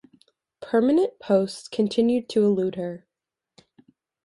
Permanent posts continued to elude her.